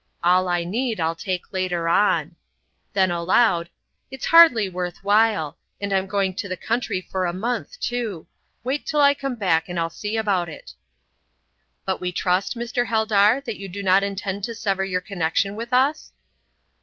"All I need I'll take later on." Then, aloud, "It's hardly worth while; and I'm going to the country for a month, too. Wait till I come back, and I'll see about it." "But we trust, Mr. Heldar, that you do not intend to sever your connection with us?"